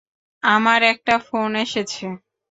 আমার একটা ফোন এসেছে।